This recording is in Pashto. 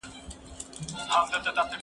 کېدای سي ترتيب ستونزي ولري!؟